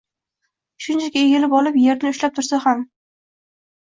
shunchaki egilib olib yerni ushlab tursa ham